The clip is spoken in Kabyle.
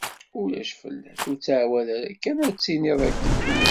Ulac fell-as, ur ttεawad ara kan ad tiniḍ akken.